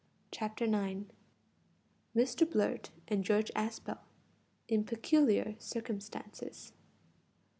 CHAPTER NINE. MR. BLURT AND GEORGE ASPEL IN PECULIAR CIRCUMSTANCES.